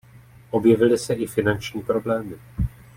Objevily se i finanční problémy.